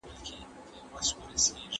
آيا په دې حالت کي اړيکي کمزورې وي؟